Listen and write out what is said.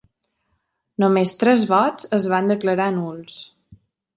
Només tres vots es van declarar nuls.